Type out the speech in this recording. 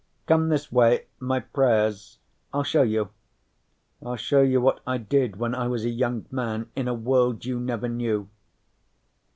"Come this way. My prayers I'll show you. I'll show you what I did when I was a young man in a world you never knew."